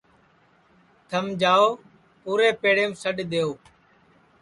تھم جاؤ پُورے پیڑیم سڈؔ دؔیئو